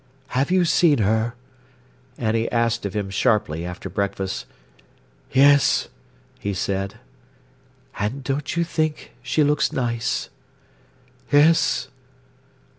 "Have you seen her?" Annie asked of him sharply after breakfast. "Yes," he said. "And don't you think she looks nice?" "Yes."